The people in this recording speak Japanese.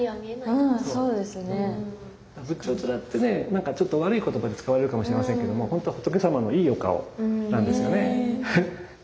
何かちょっと悪い言葉で使われるかもしれませんけども本当は仏様のいいお顔なんですよね。